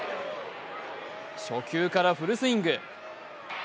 初球からフルスイング。